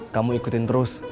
kamu ikutin terus